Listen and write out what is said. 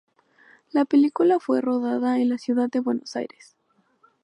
La película fue rodada en la ciudad de Buenos Aires.